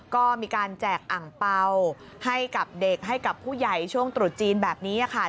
ก็มีการแจกอังเปล่าให้กับเด็กให้กับผู้ใหญ่ช่วงตรุษจีนแบบนี้ค่ะ